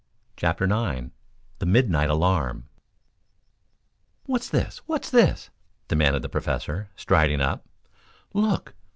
CHAPTER IX THE MIDNIGHT ALARM "What's this, what's this?" demanded the Professor, striding up. "Look!